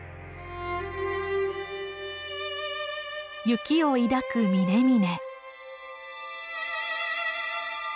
雪を抱く峰々。